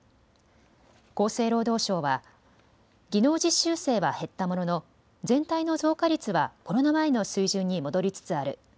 厚生労働省は、技能実習生は減ったものの全体の増加率はコロナ前の水準に戻りつつある。